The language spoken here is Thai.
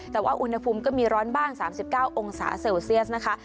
แต่ว่าอุณหภูมิก็มีร้อนบ้าง๓๙องศาเซลเซียสนะคะ